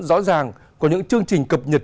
rõ ràng có những chương trình cập nhật